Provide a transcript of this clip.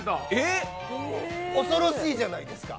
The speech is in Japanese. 恐ろしいじゃないですか。